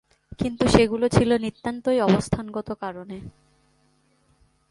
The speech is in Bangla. কিন্তু সেগুলো ছিল নিতান্তই অবস্থানগত কারণে।